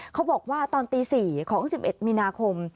เขาบอกว่าตอนตี๔ของ๑๑มีนาคม